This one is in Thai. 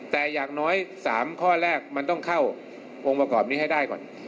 แต่อย่างน้อย๓ข้อแรกมันต้องเข้าองค์ประกอบนี้ให้ได้ก่อน